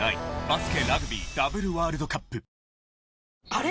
あれ？